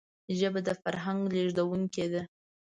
ژبه د فرهنګ لېږدونکی ده